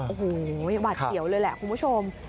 โอ้โหยังหวาดเสียวเลยแหละคุณผู้ชม